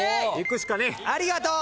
ありがとう。問題